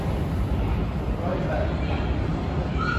หกร้อยแปด